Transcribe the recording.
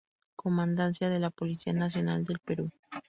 Comandancia de la Policía Nacional del Perú.